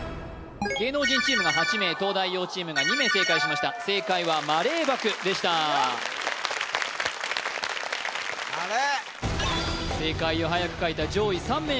芸能人チームが８名東大王チームが２名正解しました正解はマレーバクでしたあれ？